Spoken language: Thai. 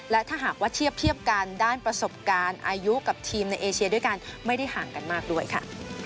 และถ้าหากว่าเทียบกันด้านประสบการณ์อายุกับทีมในเอเชียด้วยกันไม่ได้ห่างกันมากด้วยค่ะ